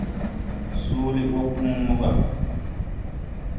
Soolé ɓo põõ mo gà.